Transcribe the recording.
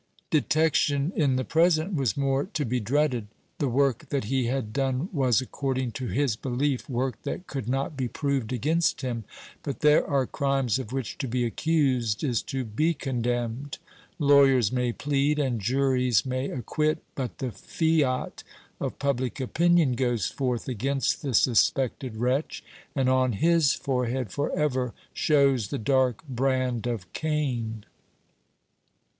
Detection in the present was more to be dreaded. The work that he had done was, according to his belief, work that could not be proved against him. But there are crimes of which to be accused is to be condemned. Lawyers may plead, and juries may acquit; but the fiat of public opinion goes forth against the suspected wretch, and on his forehead for ever shows the dark brand of Cain.